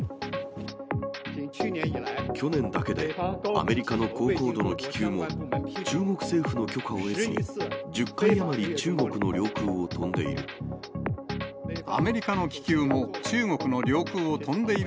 去年だけでアメリカの高高度の気球も、中国政府の許可を得ずに、１０回余り中国の領空を飛んでいる。